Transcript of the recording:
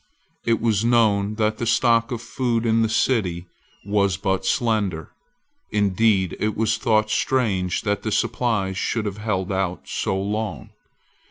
It was known that the stock of food in the city was but slender. Indeed it was thought strange that the supplies should have held out so long.